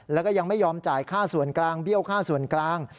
แล้วก็ยังไม่ยอมจ่ายค่าส่วนกลางเบี้ยวค่าส่วนกลาง